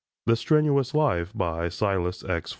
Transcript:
THE STRENUOUS LIFE SILAS X.